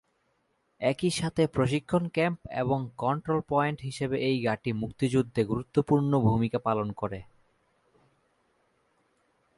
একই সাথে প্রশিক্ষণ ক্যাম্প এবং কন্ট্রোল পয়েন্ট হিসেবে এই ঘাঁটি মুক্তিযুদ্ধে গুরুত্বপূর্ণ ভূমিকা পালন করে।